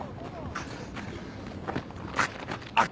あっ。